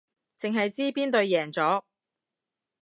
淨係知邊隊贏咗